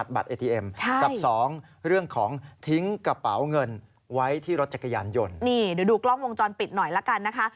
เดี๋ยวดูกล้องวงจรปิดหน่อยละกันนะคะ